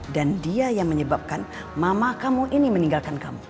dia yang menyebabkan mama kamu ini meninggalkan kamu